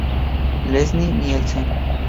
Leslie Nielsen.